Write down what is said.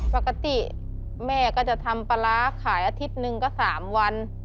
ปกติแม่ก็จะทำปลาร้าขายอาทิตย์หนึ่งก็๓วัน